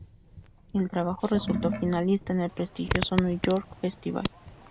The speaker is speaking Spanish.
El trabajo resultó finalista en el prestigioso New York Festival.